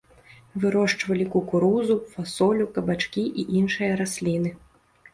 Вырошчвалі кукурузу, фасолю, кабачкі і іншыя расліны.